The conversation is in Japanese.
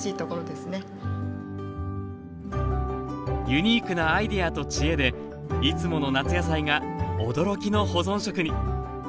ユニークなアイデアと知恵でいつもの夏野菜が驚きの保存食に。